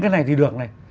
cái này thì được này